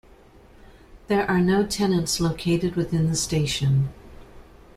There are no tenants located within the station.